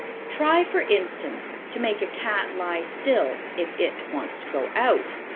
Try, for instance, to make a cat lie still if it wants to go out.